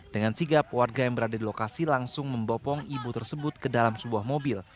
dengan sigap warga yang berada di lokasi langsung membopong ibu tersebut ke dalam sebuah mobil